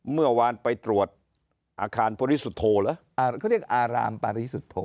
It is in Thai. เมื่อวานไปตรวจอาคารปริสุทธโธเหรออ่าเขาเรียกอารามปาริสุทธโธ